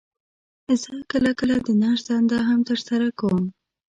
زه کله کله د نرس دنده هم تر سره کوم.